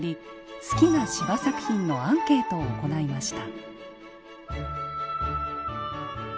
好きな司馬作品のアンケートを行いました。